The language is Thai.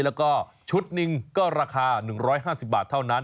แล้วก็ชุดหนึ่งก็ราคา๑๕๐บาทเท่านั้น